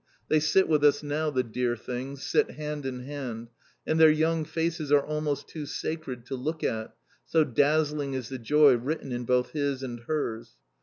They sit with us now, the dear things, sit hand in hand, and their young faces are almost too sacred to look at, so dazzling is the joy written in both his and hers.